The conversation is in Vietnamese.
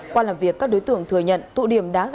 qua làm việc các đối tượng thừa nhận tụ điểm đáng